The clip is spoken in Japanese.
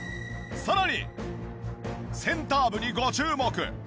さらにセンター部にご注目！